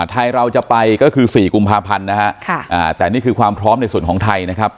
ไทยเราจะไปก็คือ๔กุมภาพันธ์นะฮะแต่นี่คือความพร้อมในส่วนของไทยนะครับ